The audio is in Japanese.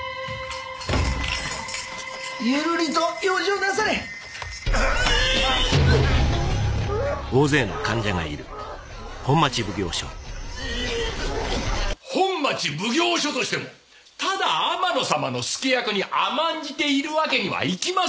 なされウゥウゥ本町奉行所としてもただ天野さまの助役に甘んじているわけにはいきます